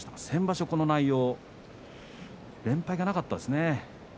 先場所は、この内容連敗がなかったですね。